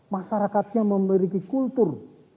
masyarakatnya memiliki kultur